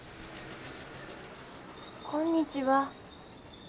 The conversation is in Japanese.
こんにちは。